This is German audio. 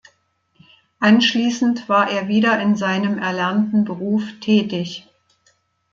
Anschließend war er wieder in seinem erlernten Beruf tätig.